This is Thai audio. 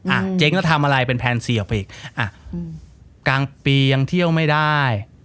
เจ๊งก็ทำอะไรเป็นแพลนเสียออกไปอีกอ่ะกลางปียังเที่ยวไม่ได้